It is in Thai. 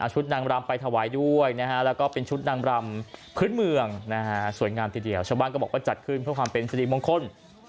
ชุดนางรำไปถวายด้วยนะฮะแล้วก็เป็นชุดนางรำพื้นเมืองนะฮะสวยงามทีเดียวชาวบ้านก็บอกว่าจัดขึ้นเพื่อความเป็นสิริมงคล